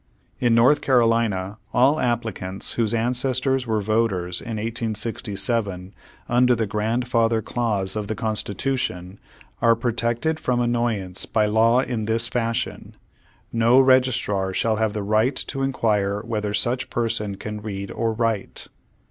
In North Carolina all applicants whose ancestors were voters in 1867, under the "grand father" clause of the Constitution, are protected from an noyance by law in this fashion : "No registrar shall have the right to inquire whether such per son can read or write."